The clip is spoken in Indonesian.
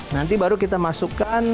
nanti baru kita masukkan